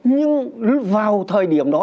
nhưng vào thời điểm đó